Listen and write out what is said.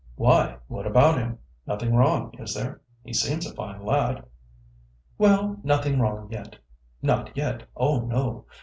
"Why, what about him? Nothing wrong, is there? He seems a fine lad." "Well, nothing wrong yet. Not yet; oh, no!